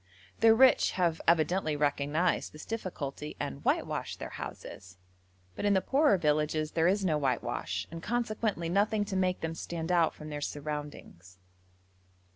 The rich have evidently recognised this difficulty and whitewash their houses, but in the poorer villages there is no whitewash, and consequently nothing to make them stand out from their surroundings.